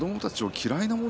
嫌いなもの。